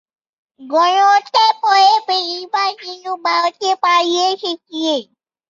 গণহত্যার পরে বেশিরভাগ হিন্দু ভারতে পালিয়ে এসেছিলেন।